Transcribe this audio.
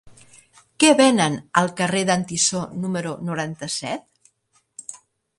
Què venen al carrer d'en Tissó número noranta-set?